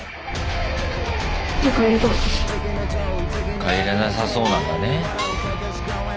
帰れなさそうなんだね。